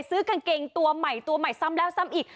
กางเกงตัวใหม่ตัวใหม่ซ้ำแล้วซ้ำอีก